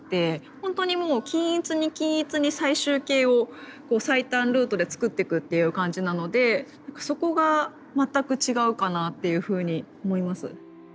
ほんとにもう均一に均一に最終形を最短ルートで作ってくっていう感じなのでそこが全く違うかなっていうふうに思います。